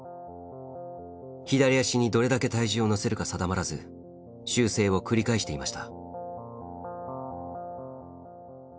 左足にどれだけ体重を乗せるか定まらず修正を繰り返していました。